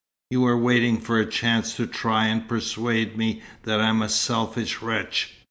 You were waiting for a chance to try and persuade me that I'm a selfish wretch.